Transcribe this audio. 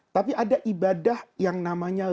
tapi ada ibadah yang namanya